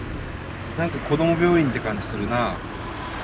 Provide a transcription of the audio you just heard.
何かこども病院って感じするなあ。